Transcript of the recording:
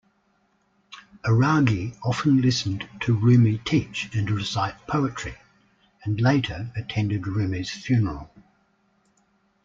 'Araghi often listened to Rumi teach and recite poetry, and later attended Rumi's funeral.